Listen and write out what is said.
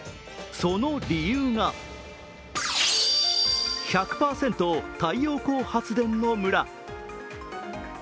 その理由が１００％太陽光発電の村。